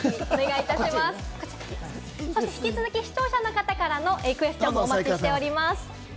引き続き、視聴者の方からのクエスチョンもお待ちしております。